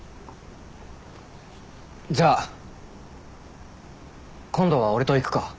じゃあ今度は俺と行くか？